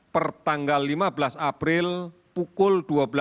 per tanggal lima belas april pukul dua belas